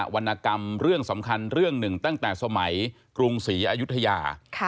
วรรณกรรมเรื่องสำคัญเรื่องหนึ่งตั้งแต่สมัยกรุงศรีอายุทยา